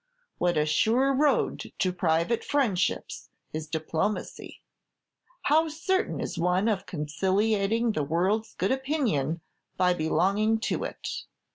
What a sure road to private friendships is diplomacy! How certain is one of conciliating the world's good opinion by belonging to it!